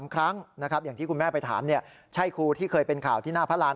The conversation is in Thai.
ครั้งนะครับอย่างที่คุณแม่ไปถามเนี่ยใช่ครูที่เคยเป็นข่าวที่หน้าพระราณ